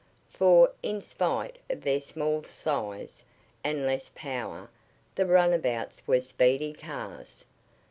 For, in spite of their small size and less power the runabouts were speedy cars.